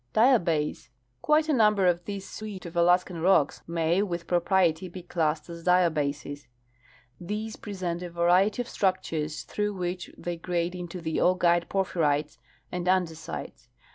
Diabase. Quite a number of this suite of Alaskan rocks may with pro priety be classed as diabases. These present a variety of structures through which they grade into the augite porphyrites and ande sites.